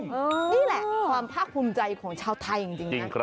นี่แหละความภาคภูมิใจของชาวไทยจริงนะ